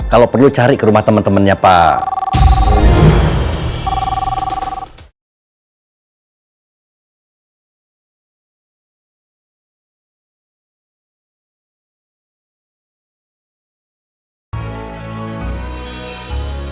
kalo perlu cari ke rumah temen temennya pak